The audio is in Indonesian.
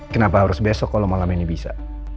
kenapa harus besok kalau malam ini bisa